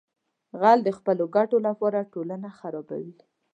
غل د خپلو ګټو لپاره ټولنه خرابوي